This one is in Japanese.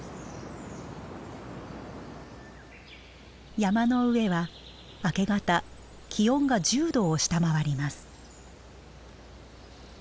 山の上は明け方気温が１０度を下回ります。